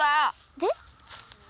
で。